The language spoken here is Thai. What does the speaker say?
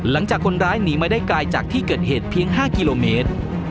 หลังจากคนร้ายหนีมาได้ไกลจากที่เกิดเหตุเพียง๕กิโลเมตร